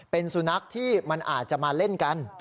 เป็นสุนัขที่มันอาจจะมาเล่นกัน